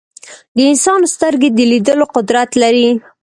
د انسان سترګې د لیدلو قدرت لري.